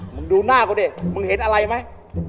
ดูหน้ากูดิมึงเห็นอะไรไหม